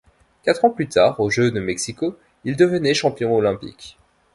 Quatre ans plus tard, aux Jeux de Mexico, il devenait champion olympique.